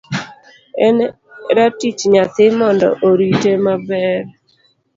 En ratich nyathi mondo orite maber.